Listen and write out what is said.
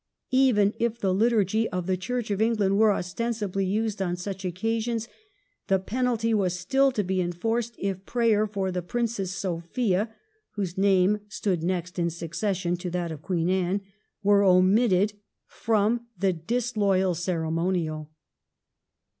Even if the liturgy of the Church of England were ostensibly used on such occasions, the penalty was still to be enforced if prayer for the Princess Sophia (whose name stood next in succession to that of Queen Anne) were omitted from the disloyal cere monial.